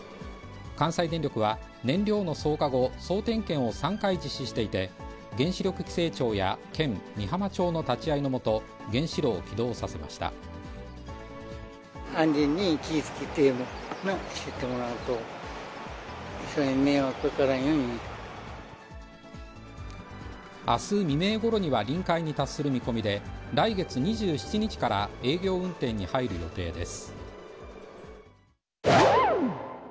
関西電力は燃料の装荷後、総点検を３回実施していて、原子力規制庁や県、美浜町の立ち会いの下、原子炉を起動させまし安全に気をつけてしてもらわあす未明ごろには臨界に達する見込みで、来月２７日から営業運転に入る予定です。